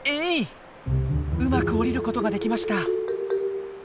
うまく下りることができました。